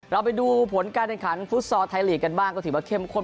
เราไปดูผลการแข่งขันฟุตซอลไทยลีกกันบ้างก็ถือว่าเข้มข้น